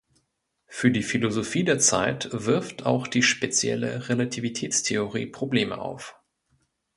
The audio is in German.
Für die Philosophie der Zeit wirft auch die spezielle Relativitätstheorie Probleme auf.